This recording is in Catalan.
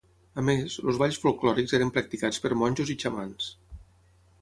A més, els balls folklòrics eren practicats per monjos i xamans.